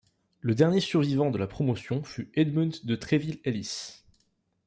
Le dernier survivant de la promotion fut Edmund De Treville Ellis.